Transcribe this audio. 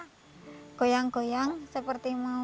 goyang goyang seperti mau